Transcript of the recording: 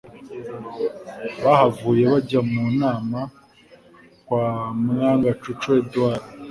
bahavuye bajya mu nama kwa Mwangacucu Edouard